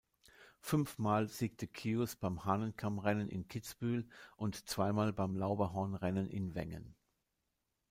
Fünfmal siegte Kjus beim Hahnenkammrennen in Kitzbühel und zweimal beim Lauberhornrennen in Wengen.